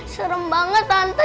serem banget tante